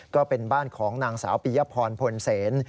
ก็เป็นบ้านของนางสาวปียพรพลเซน